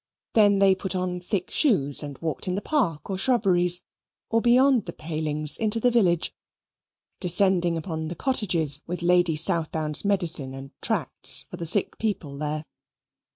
Then they put on thick shoes and walked in the park or shrubberies, or beyond the palings into the village, descending upon the cottages, with Lady Southdown's medicine and tracts for the sick people there.